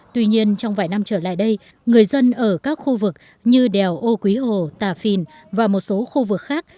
tuy nhiên trong vài năm trở lại đây người dân ở các khu vực như đèo âu quý hồ tà phìn và một số khu vực khác